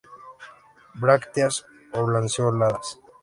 Brácteas oblanceoladas.